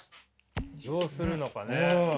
どうするのかね。